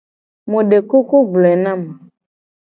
Mu de kuku gbloe na mu.